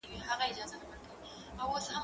زه هره ورځ د کتابتوننۍ سره خبري کوم؟